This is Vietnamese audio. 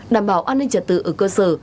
đảm bảo an ninh trật tự ở cơ sở